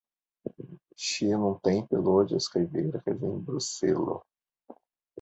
Ŝi nuntempe loĝas kaj verkas en Bruselo.